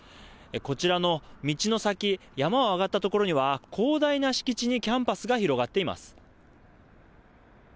こちらの道の先、山を上がった所には、広大な敷地にキャンパスが広がっています。